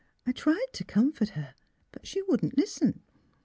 I tried to com fort her. But she wouldn't listen.